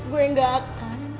gue gak akan